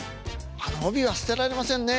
あの帯は捨てられませんね。